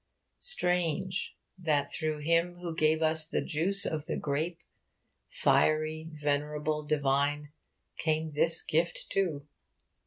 Strange that through him who gave us the juice of the grape, 'fiery, venerable, divine,' came this gift too!